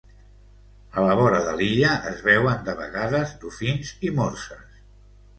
A la vora de l'illa es veuen de vegades dofins i morses.